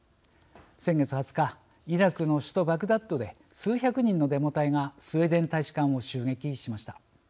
先月２０日イラクの首都バグダッドで数百人のデモ隊がスウェーデン大使館を襲撃しました。